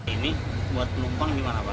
ini buat penumpang gimana pak